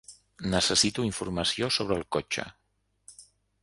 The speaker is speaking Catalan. Necessito informació sobre el cotxe.